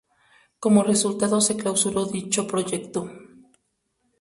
Como resultado se clausuró dicho proyecto.